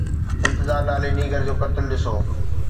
انتظار نالي نينگر جو قتل ڏسو.